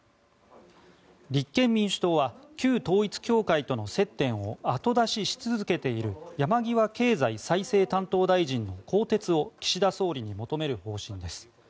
立憲民主党は旧統一教会との接点を後出しし続けている山際経済再生担当大臣の更迭を岸田総理に求める方針です。